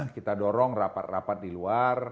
kita dorong rapat rapat di luar